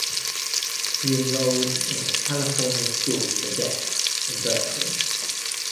He enrolled in the California School for the Deaf in Berkeley.